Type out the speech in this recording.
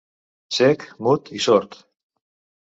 Cec, mut i sord.